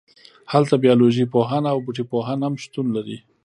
هلته بیالوژی پوهان او بوټي پوهان هم شتون لري